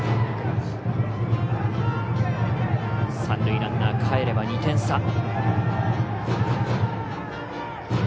三塁ランナーかえれば２点差。